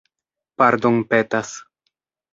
pardonpetas